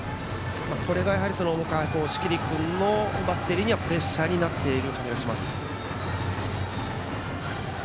これが重川君、押切君のバッテリーにはプレッシャーになっている感じがします。